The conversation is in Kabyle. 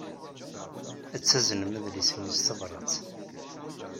Ad taznem adlis-nni s tebṛat.